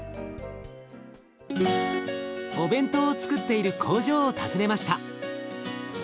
お弁当をつくっている工場を訪ねました。